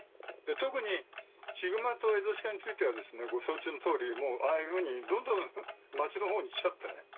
特にヒグマとエゾシカについてはご承知の通りああいうふうにどんどん町のほうに来ちゃってね。